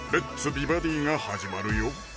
美バディ」が始まるよ